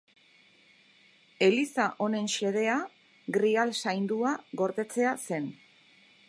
Eliza honen xedea Grial Saindua gordetzea zen.